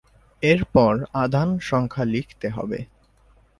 এরপর আধান সংখ্যা লিখতে হবে।